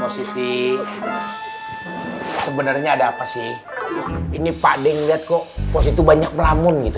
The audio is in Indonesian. posisi sebenarnya ada apa sih ini pak deng lihat kok posisi banyak pelamun gitu